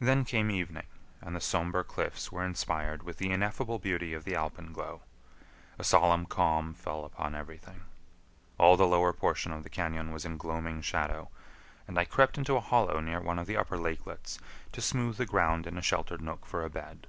Then came evening, and the somber cliffs were inspired with the ineffable beauty of the alpenglow. A solemn calm fell upon everything. All the lower portion of the cañon was in gloaming shadow, and I crept into a hollow near one of the upper lakelets to smooth the ground in a sheltered nook for a bed.